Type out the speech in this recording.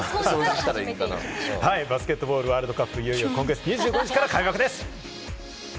バスケットボールワールドカップはいよいよ今月２５日から開幕です。